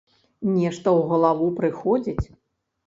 Нешта ў галаву прыходзіць.